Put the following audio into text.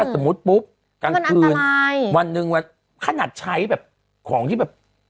สมมุติปุ๊บกลางคืนมันอันตรายวันหนึ่งว่าขนาดใช้แบบของที่แบบ